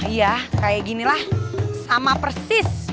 iya kayak ginilah sama persis